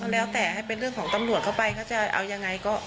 แล้วแต่ให้เป็นเรื่องของตำรวจเข้าไปเขาจะเอายังไงก็